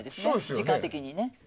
時間的にね。